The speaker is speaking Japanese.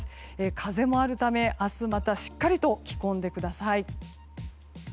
風もあるため明日、またしっかり着込んでください。